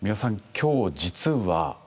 今日実は。